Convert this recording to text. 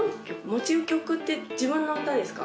持ち曲って自分の歌ですか？